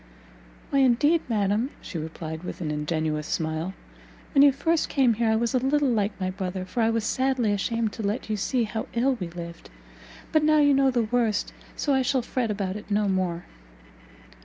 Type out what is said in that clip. "Why indeed, madam," she replied, with an ingenuous smile, "when you first came here I was a little like my brother, for I was sadly ashamed to let you see how ill we lived! but now you know the worst, so I shall fret about it no more."